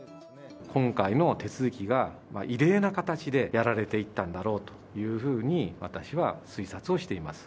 今回の手続きが、異例な形でやられていったんだろうというふうに、私は推察をしています。